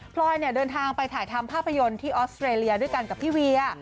พลอยเนี่ยเดินทางไปถ่ายทำภาพยนตร์ที่ออสเตรเลียด้วยกันกับพี่เวีย